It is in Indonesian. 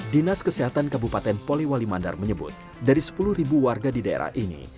dinas kesehatan kabupaten poliwali mandar menyebut dari sepuluh warga di daerah ini